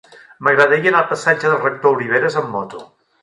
M'agradaria anar al passatge del Rector Oliveras amb moto.